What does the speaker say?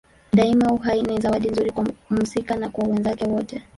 Daima uhai ni zawadi nzuri kwa mhusika na kwa wenzake wote.